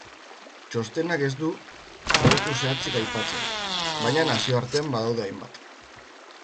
Txostenak ez du proiektu zehatzik aipatzen, baina nazioartean badaude hainbat.